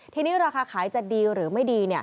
ทีนี้ราคาขายจะดีหรือไม่ดี